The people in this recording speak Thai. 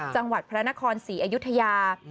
จังหวัดพระนครศรีอยุธยา